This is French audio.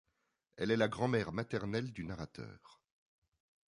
Elle est la grand-mère maternelle du Narrateur.